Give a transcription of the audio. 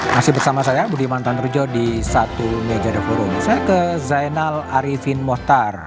masih bersama saya budiman tanerjo di satu meja deforum saya ke zainal arifin mostar